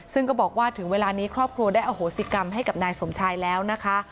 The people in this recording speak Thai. ซึ่งก็บอกว่าถึงเวลานี้ครอบครัวได้อโหสิกรรมให้กับนายสมชายแล้วนะคะ